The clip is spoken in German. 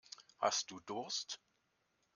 Hast du Durst?